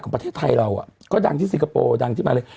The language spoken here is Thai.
ของประเทศไทยเราก็ดังที่ซิงกโปรดังที่มาเลย